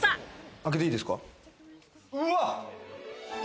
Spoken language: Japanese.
開けていいですか？